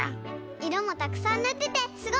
いろもたくさんぬっててすごいね。